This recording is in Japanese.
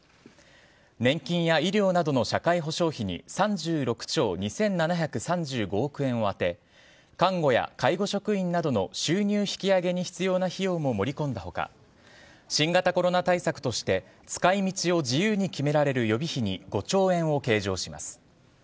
年金や医療などの社会保障費に３６兆２７３５億円を充て看護や介護職員などの収入引き上げに必要な費用も盛り込んだ他新型コロナ対策として使い道を自由に決められる予備費に５兆円を計上します。